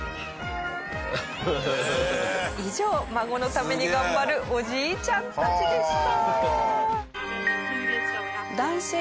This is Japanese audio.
以上孫のために頑張るおじいちゃんたちでした。